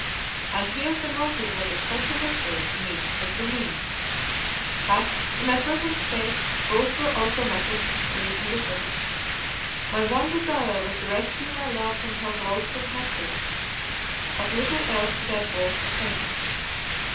And here the motive was as much a mystery to me as the means; but, in my present state, both were also matters of supreme indifference. My one desire was to rescue my love from her loathsome captors; of little else did I pause to think.